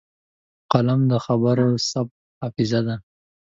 قلم د خبرو د ثبت حافظه ده